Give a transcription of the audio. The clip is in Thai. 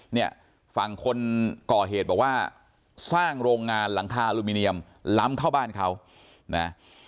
เนี่ยฝั่งคนก่อเหตุบอกว่าสร้างโรงงานหลังคาอลูมิเนียมล้ำเข้าบ้านเขานะ